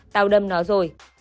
tao đâm nó rồi